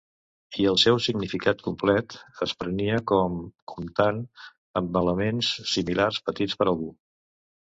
I el seu significat complet es prenia com: comptant amb elements similars petits per algú.